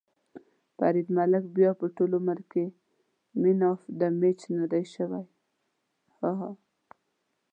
فرید ملک بیا به ټول عمر کې مېن اف ده مېچ ندی شوی.ههه